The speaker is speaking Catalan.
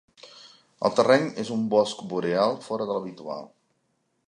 El terreny és un bosc boreal fora de l'habitual.